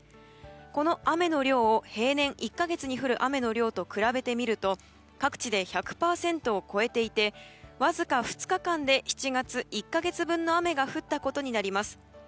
この雨の量を平年１か月に降る雨の量と比べてみると各地で１００％を超えていてわずか２日間で、７月１か月分の雨が降ったことになります。